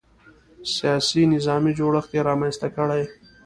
سیاسي نظامي جوړښت یې رامنځته کړی.